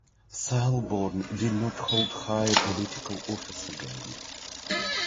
Selborne did not hold high political office again.